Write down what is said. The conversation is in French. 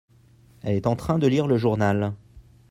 elle est en train de lire le journal.